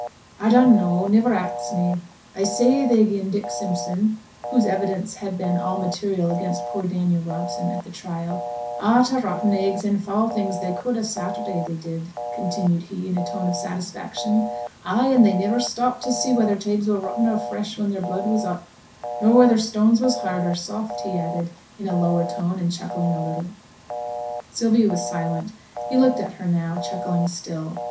'A dun know; niver ax me. A say, they'n gi'en Dick Simpson' (whose evidence had been all material against poor Daniel Robson at the trial) 'a' t' rotten eggs and fou' things they could o' Saturday, they did,' continued he, in a tone of satisfaction; 'ay, and they niver stopped t' see whether t' eggs were rotten or fresh when their blood was up nor whether stones was hard or soft,' he added, in a lower tone, and chuckling a little. Sylvia was silent. He looked at her now, chuckling still.